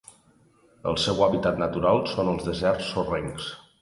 El seu hàbitat natural són els deserts sorrencs.